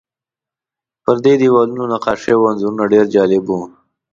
پر دې دیوالونو نقاشۍ او انځورونه ډېر جالب وو.